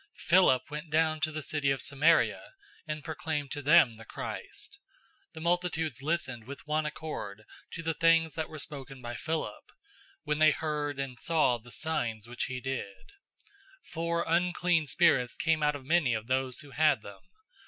008:005 Philip went down to the city of Samaria, and proclaimed to them the Christ. 008:006 The multitudes listened with one accord to the things that were spoken by Philip, when they heard and saw the signs which he did. 008:007 For unclean spirits came out of many of those who had them.